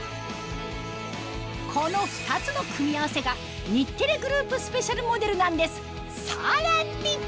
この２つの組み合わせが日テレグループスペシャルモデルなんですさらに！